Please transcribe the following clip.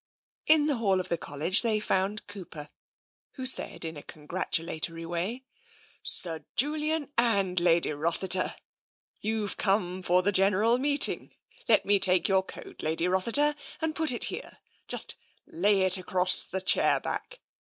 In the hall of the College they found Cooper, who said in a congratulatory way, " Sir Julian and Lady Rossiter ! You've come for the General Meeting. Let me take your coat, Lady Rossiter, and put it here — just lay it across the chair back.